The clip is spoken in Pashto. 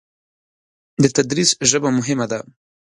د تدریس ژبه مهمه ده.